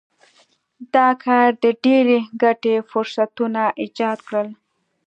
دا کار د ډېرې ګټې فرصتونه ایجاد کړل.